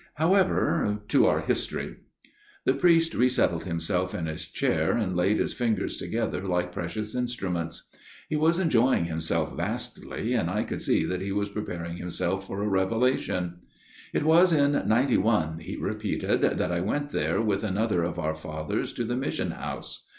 " However, to our history " The priest resettled himself in his chair and laid his fingers together like precious instruments. 36 A MIRROR OF SHALOTT He was enjoying himself vastly, and I could see that he was preparing himself for a revelation. " It was in '91," he repeated, " that I went there with another of our Fathers to the mission house.